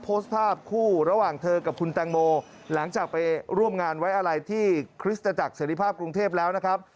โพสต์ภาพคู่ระหว่างเธอกับคุณแตงโมหลังจากไปร่วมงานไว้อะไรที่คริสตจักรเสรีภาพกรุงเทพแล้วนะครับ